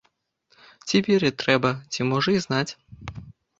Ці верыць трэба, ці можна і знаць?